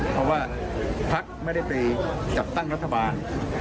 เพราะว่าพักไม่ได้ไปจัดตั้งรัฐบาล